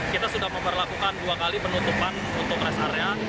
lima belas kita sudah memperlakukan dua kali penutupan untuk res area